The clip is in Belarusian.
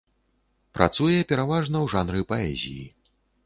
Працуе пераважна ў жанры паэзіі.